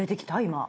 今。